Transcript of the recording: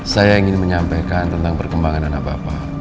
saya ingin menyampaikan tentang perkembangan anak bapak